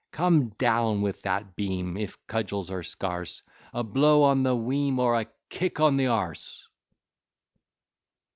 Come down with that beam, If cudgels are scarce, A blow on the weam, Or a kick on the a se.